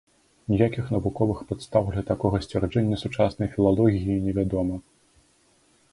Ніякіх навуковых падстаў для такога сцвярджэння сучаснай філалогіі невядома.